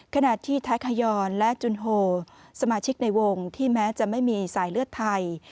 ขณะที่แท็คฮยอนและจุนโฮสมาชิกในวงที่แม้จะไม่มีสายเลือดไทย